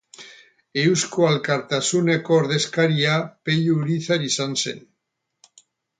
Eusko Alkartasunako ordezkaria Pello Urizar izan zen.